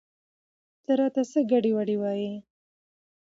ته راته څه ګډې وګډې وايې؟